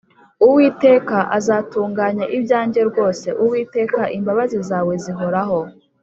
Uwiteka aztunganya ibyanjye rwose, uwiteka, imbabazi zawezihoraho